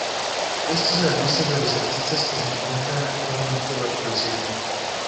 Esta es la lista de los artistas que se encuentran actualmente bajo el sello.